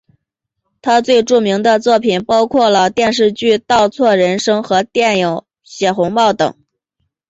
他最著名的作品包括了电视剧倒错人生和电影血红帽等。